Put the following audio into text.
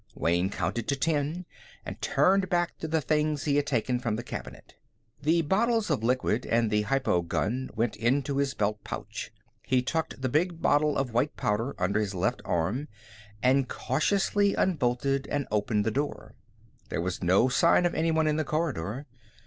Wayne counted to ten and turned back to the things he had taken from the cabinet. The bottles of liquid and the hypo gun went into his belt pouch. He tucked the big bottle of white powder under his left arm and cautiously unbolted and opened the door. There was no sign of anyone in the corridor.